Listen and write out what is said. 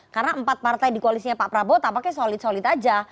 karena empat partai di koalisinya pak prabowo tampaknya solid solid aja